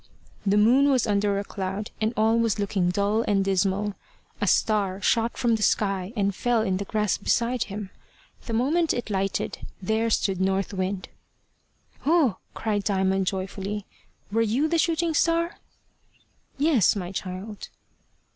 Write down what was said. The moon was under a cloud, and all was looking dull and dismal. A star shot from the sky, and fell in the grass beside him. The moment it lighted, there stood North Wind. "Oh!" cried Diamond, joyfully, "were you the shooting star?" "Yes, my child."